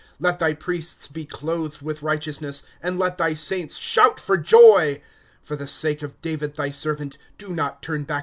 ^ Let thy priests be clothed with righteousness, And let thy saints shout for joy. ^° For the sake of David thy servant, Do not turn back the face of thine anointed.